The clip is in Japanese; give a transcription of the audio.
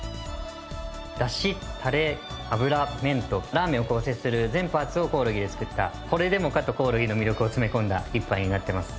出汁タレ油麺とラーメンを構成する全パーツをコオロギで作ったこれでもかとコオロギの魅力を詰め込んだ一杯になってます。